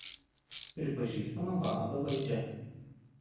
Pripažįstama vado valdžia.